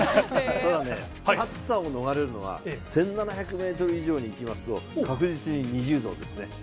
ただね、暑さを逃れるのは、１７００メートル以上に行きますと、確実に２０度ですね。